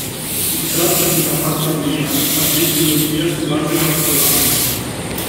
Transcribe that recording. Si tratta di una patologia ad eziologia su base vascolare.